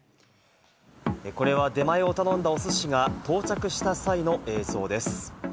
これは出前を頼んだおすしが到着した際の映像です。